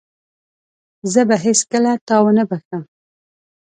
زه به هيڅکله تا ونه بخښم.